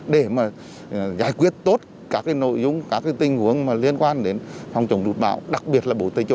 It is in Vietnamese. để giải quyết tốt các nội dung các tình huống liên quan đến phòng chống rụt bão đặc biệt là bộ tây chỗ